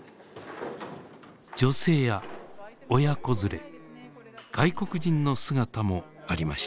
女性や親子連れ外国人の姿もありました。